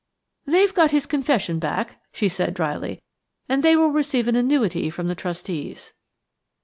"They've got his confession back," she said dryly, "and they will receive an annuity from the trustees."